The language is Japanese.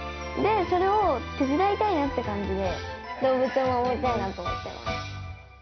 それを手伝いたいなって感じで、動物を守りたいなって思ってます。